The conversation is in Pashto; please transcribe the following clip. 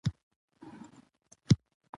او په خپرونو يې پيل وكړ،